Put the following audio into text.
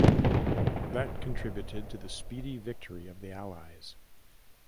That contributed to the speedy victory of the Allies.